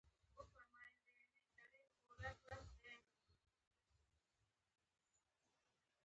سرحدي لغړيان د هويت له مخې يو څه ښه دي.